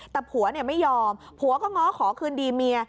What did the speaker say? แต่ผัวไม่ยอมผัวก็ง้อขอคืนดีเมีย